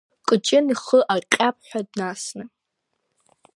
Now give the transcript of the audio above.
Кыҷын ихы аҟьаԥ ҳәа днасны.